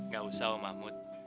gak usah om mahmud